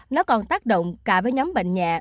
nó còn tác động cả với nhóm bệnh nhẹ